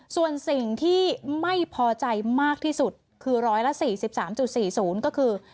ส่วนสิ่งที่ไม่พอใจมากที่สุดคือ๑๔๓๔๐ก็คือ